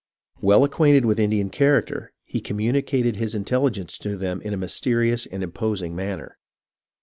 " Well acquainted with Indian character, he communi cated his intelligence to them in a mysterious and imposing manner.